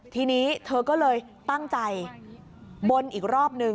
ทีนี้เธอก็เลยตั้งใจบนอีกรอบนึง